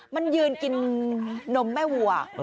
มันยืนกินนมแม่วัว